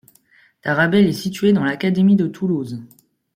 Tarabel est située dans l'académie de Toulouse.